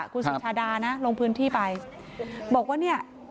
คุณสุชาดานะลงพื้นที่ไปบอกว่าเนี่ย